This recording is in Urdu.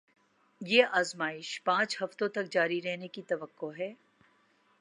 یہ آزمائش پانچ ہفتوں تک جاری رہنے کی توقع ہے